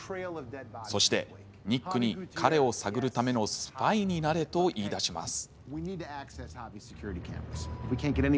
そして、ニックに彼を探るためのスパイになれと言いだします。